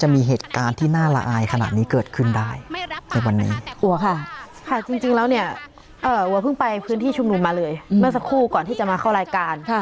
เมื่อสักครู่ก่อนที่จะมาเข้ารายการ